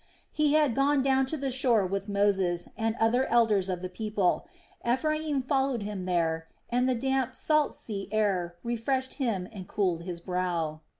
He had gone down to the shore with Moses and other elders of the people. Ephraim followed him there, and the damp, salt sea air refreshed him and cooled his brow.